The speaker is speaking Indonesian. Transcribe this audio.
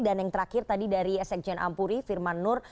dan yang terakhir tadi dari seksyen ampuri firman nur